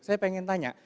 saya pengen tanya